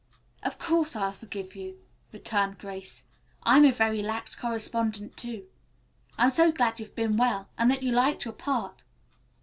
"Of course I'll forgive you," returned Grace. "I'm a very lax correspondent, too. I'm so glad you've been well, and that you liked your part."